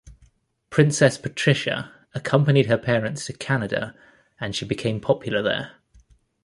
Princess Patricia accompanied her parents to Canada, and she became popular there.